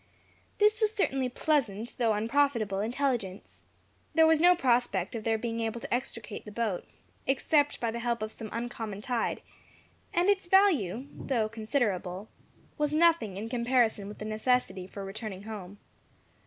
This was certainly pleasant, though unprofitable, intelligence. There was no prospect of their being able to extricate the boat, except by the help of some uncommon tide; and its value, though considerable, was nothing in comparison with the necessity for returning home.